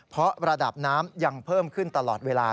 เพราะระดับน้ำยังเพิ่มขึ้นตลอดเวลา